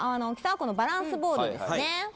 このバランスボールですね